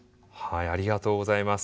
ありがとうございます。